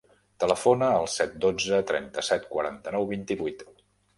Telefona al set, dotze, trenta-set, quaranta-nou, vint-i-vuit.